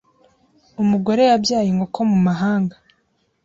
Umugore yabyaye inkoko mumahanga